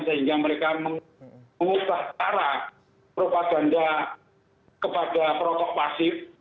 sehingga mereka mengubah arah propaganda kepada perokok pasal